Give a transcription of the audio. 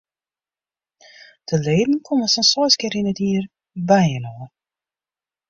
De leden komme sa'n seis kear yn it jier byinoar.